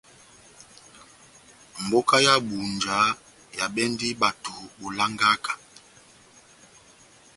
Mbóka ya Ebunja ehabɛndi bato bolangaka.